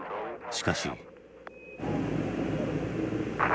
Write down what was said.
しかし。